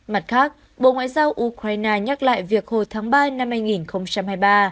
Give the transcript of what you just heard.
mặt khác bộ ngoại giao ukraine nhắc lại việc hồi tháng ba năm hai nghìn hai mươi ba